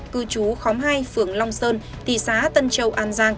cư trú khóng hai phường long sơn thị xã tân châu an giang